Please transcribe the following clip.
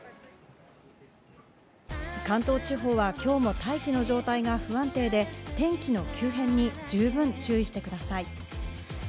関東地方は今日も大気の状態が不安定で天気の急変に十分注意してください。